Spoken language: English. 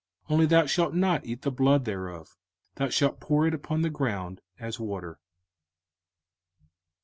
05:015:023 Only thou shalt not eat the blood thereof; thou shalt pour it upon the ground as water.